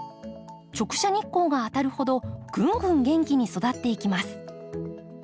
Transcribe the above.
直射日光が当たるほどぐんぐん元気に育っていきます。